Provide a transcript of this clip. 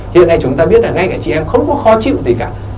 hiện nay chúng ta biết là ngay cả chị em không có khó chịu gì cả